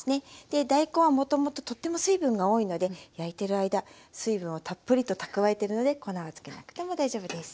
で大根はもともととっても水分が多いので焼いてる間水分をたっぷりと蓄えてるので粉はつけなくても大丈夫です。